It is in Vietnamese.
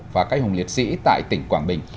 và cây hùng liệt sĩ tại tỉnh quảng bình